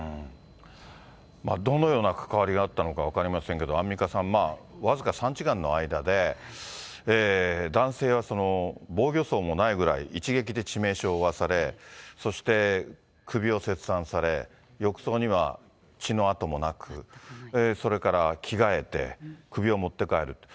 どのような関わりがあったのか分かりませんけど、アンミカさん、僅か３時間の間で、男性は防御創もないぐらい一撃で致命傷を負わされ、そして首を切断され、浴槽には血の跡もなく、それから着替えて首を持って帰る。